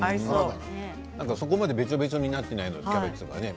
そこまでべちゃべちゃになっていないんですね、キャベツが。